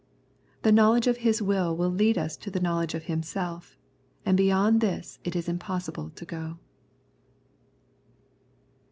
The knowledge of His will will lead us to the knowledge of Himself, and beyond this it is impossible to go.